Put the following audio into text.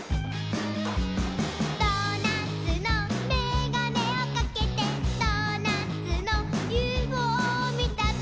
「ドーナツのメガネをかけてドーナツのＵＦＯみたぞ」